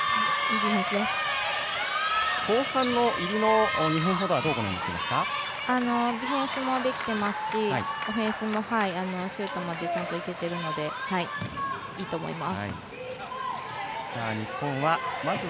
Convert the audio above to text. ディフェンスもできていますし、オフェンスもシュートまでちゃんといけているのでいいと思います。